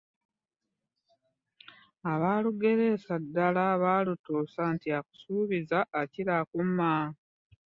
Abalugereesa ddala baalutuusa nti akusuubiza akira akumma.